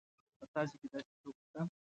په تاسي کې داسې څوک شته.